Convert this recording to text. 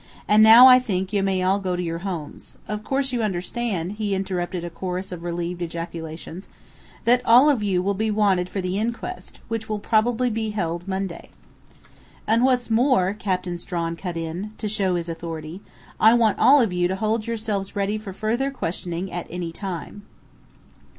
"And now I think you may all go to your homes.... Of course you understand," he interrupted a chorus of relieved ejaculations, "that all of you will be wanted for the inquest, which will probably be held Monday." "And what's more," Captain Strawn cut in, to show his authority, "I want all of you to hold yourselves ready for further questioning at any time."